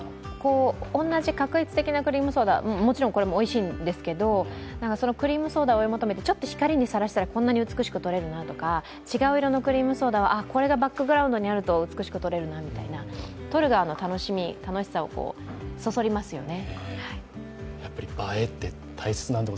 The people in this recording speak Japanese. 同じ画一的なクリームソーダ、もちろんこれもおいしいんですけど、クリームソーダを追い求めてちょっと光にさらしたら、こんなに美しく撮れるなみたいな、違う色のクリームソーダをこれがバックグラウンドにあると美しく撮れるなみたいな撮る側の楽しさをそそりますよね。